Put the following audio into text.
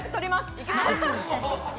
行きます！